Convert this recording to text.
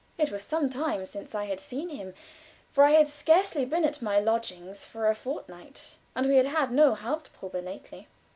It was some time since I had seen him; for I had scarcely been at my lodgings for a fortnight, and we had had no haupt proben lately.